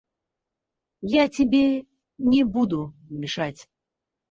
Я тебе не буду мешать.